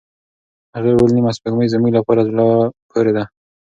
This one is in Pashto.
هغې وویل، نیمه سپوږمۍ زموږ لپاره زړه پورې ده.